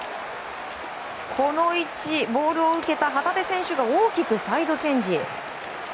この位置でボールを受けた旗手選手が大きくサイドチェンジ。